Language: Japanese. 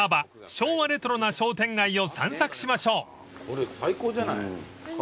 昭和レトロな商店街を散策しましょう］